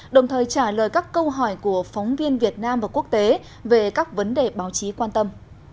đồng thời trả lời các câu hỏi của phóng viên việt nam và quốc tế về các vấn đề báo chí quan tâm